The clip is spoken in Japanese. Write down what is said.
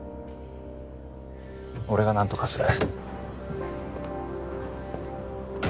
俺が何とかする。